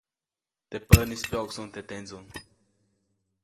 Teʼ päʼnis, pyoʼksuʼuŋ teʼ tendsuŋ.